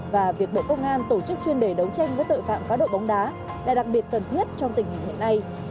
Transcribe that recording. và việc bộ công an tổ chức chuyên đề đấu tranh với tội phạm cá độ bóng đá là đặc biệt cần thiết trong tình hình hiện nay